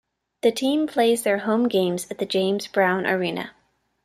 The team plays their home games at the James Brown Arena.